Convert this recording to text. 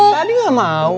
tadi gak mau